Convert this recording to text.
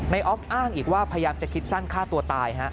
ออฟอ้างอีกว่าพยายามจะคิดสั้นฆ่าตัวตาย